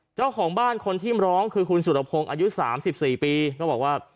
เจ้าของบ้านคนที่ร้องคือคุณสุรพงศ์อายุ๓๔ปีก็บอกว่า